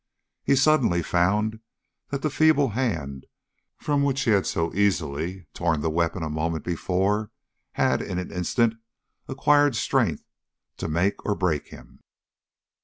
He suddenly found that the feeble hand from which he had so easily torn the weapon a moment before, had in an instant acquired strength to make or break him.